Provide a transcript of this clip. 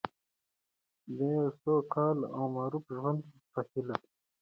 د یو سوکاله او مرفه ژوند په هیله.